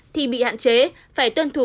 thì bị hạn chế phải tuân thủ